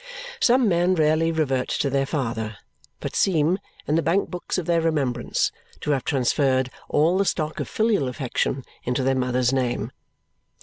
Some men rarely revert to their father, but seem, in the bank books of their remembrance, to have transferred all the stock of filial affection into their mother's name.